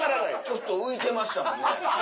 ちょっと浮いてましたもんね。